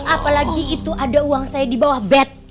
apalagi itu ada uang saya di bawah bed